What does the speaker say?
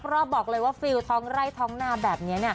บรรยากาศรอบบอกเลยว่าฟิวท้องไล่ท้องหน้าแบบนี้เนี่ย